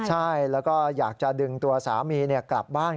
ใช่แล้วก็อยากจะดึงตัวสามีกลับบ้าน